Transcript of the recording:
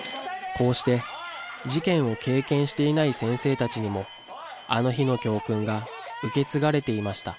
こうして、事件を経験していない先生たちにもあの日の教訓が受け継がれていました。